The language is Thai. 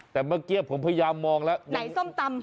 แต่เมื่อกี้ผมพยายามมองแล้วไหนส้มตำ